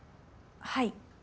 はい。